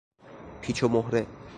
پیچ و مهره